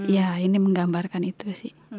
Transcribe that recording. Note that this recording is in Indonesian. ya ini menggambarkan itu sih